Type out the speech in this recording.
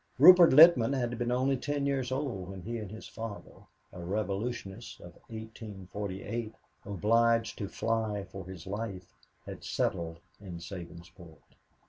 Rupert Littman had been only ten years old when he and his father, a revolutionist of 1848, obliged to fly for his life, had settled in Sabinsport.